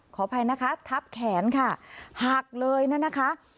ขอโทษนะคะทับแขนฮากเลยนะนะคะ